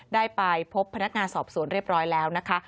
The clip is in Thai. ได้ไปพบพนักงานสอบสวนเรียบร้อยแล้วนะคะ